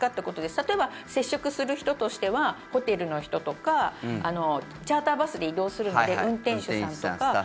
例えば、接触する人としてはホテルの人とかチャーターバスで移動するので運転手さんとか。